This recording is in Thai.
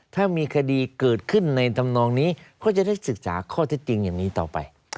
ถ้ามีคดีเกิดขึ้นในธรรมนองนี้ก็จะได้ศึกษาข้อเท็จจริงอย่างนี้ต่อไป